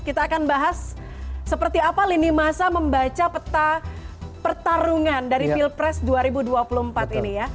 kita akan bahas seperti apa lini masa membaca peta pertarungan dari pilpres dua ribu dua puluh empat ini ya